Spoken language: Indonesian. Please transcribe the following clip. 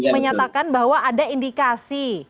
menyatakan bahwa ada indikasi